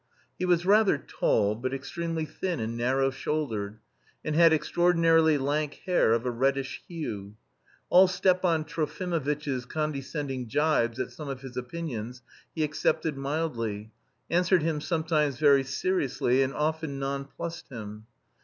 He was rather tall, but extremely thin and narrow shouldered, and had extraordinarily lank hair of a reddish hue. All Stepan Trofimovitch's condescending gibes at some of his opinions he accepted mildly, answered him sometimes very seriously, and often nonplussed him.